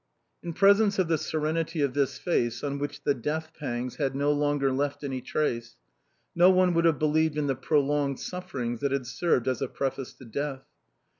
In presence of the serenity of this face on which the death pangs had no longer left any trace, no one would have believed in the prolonged sufferings that had served as a preface to death.